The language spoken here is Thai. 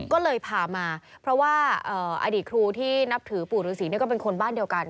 ก็เลยพามาเพราะว่าอดีตครูที่นับถือปู่ฤษีก็เป็นคนบ้านเดียวกัน